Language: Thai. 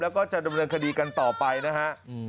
แล้วก็จะดำเนินคดีกันต่อไปนะฮะ